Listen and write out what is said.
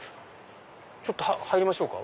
ちょっと入りましょうか。